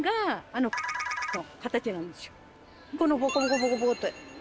ボコボコボコって。